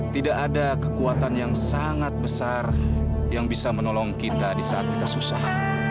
tidak ada kekuatan yang sangat besar yang bisa menolong kita di saat kita susah